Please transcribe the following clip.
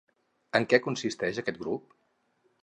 En què consisteix aquest grup?